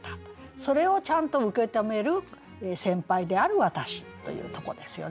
それをちゃんと受け止める先輩である私というとこですよね。